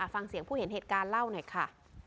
ฟังเสียงผู้เห็นเหตุการณ์เล่าหน่อยค่ะ